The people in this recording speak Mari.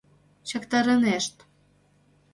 чактарынешт